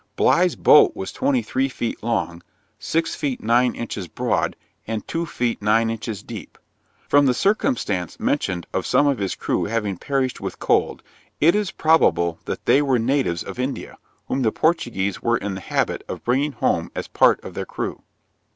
Bligh's boat was twenty three feet long, six feet nine inches broad, and two feet nine inches deep. From the circumstance mentioned of some of his crew having perished with cold, it is probable that they were natives of India, whom the Portuguese were in the habit of bringing home as part of their crew.